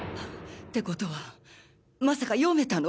って事はまさか読めたの？